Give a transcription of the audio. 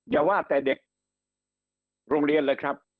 อย่าว่าแต่เด็กโรงเรียนเลยครับ